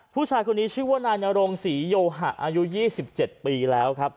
ผู้ชายคนนี้ชื่อว่านายนรงศรีโยหะอายุ๒๗ปีแล้วครับ